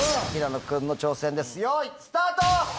平野君の挑戦です用意スタート！